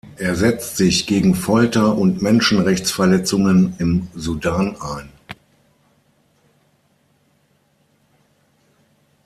Er setzt sich gegen Folter und Menschenrechtsverletzungen im Sudan ein.